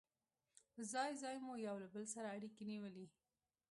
ځای ځای مو یو له بل سره اړيکې نیولې.